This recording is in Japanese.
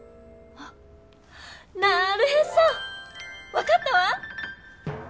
わかったわ！